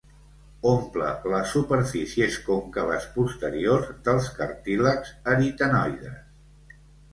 Omple les superfícies còncaves posteriors dels cartílags aritenoides.